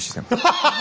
ハハハッ！